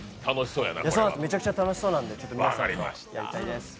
めちゃくちゃ楽しそうなんでやりたいです。